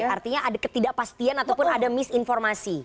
artinya ada ketidakpastian ataupun ada misinformasi